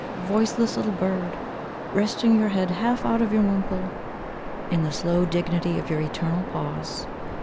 Voiceless little bird, Resting your head half out of your wimple In the slow dignity of your eternal pause.